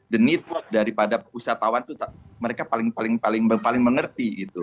the need daripada usatawan itu mereka paling paling mengerti